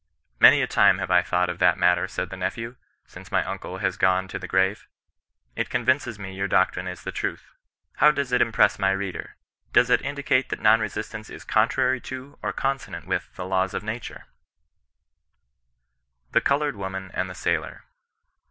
Many a time have I thought of that matter, said the nephew, since my uncle has gone to the grave. It convinces me your doctrine is the truth." How does it impress my reader? Does it indicate that non resistance is contrary to or consonant with the laws of nature \ 96 OIIBISTIAN N0X BE8ISTAN0B. THE COLOURED WOMAN AND THE SAILOR.